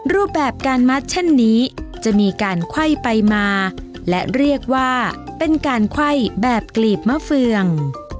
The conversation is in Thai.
รูปแบบการมัดเช่นนี้จะมีการไขว้ไปมาและเรียกว่าเป็นการไขว้แบบกลีบมะเฟือง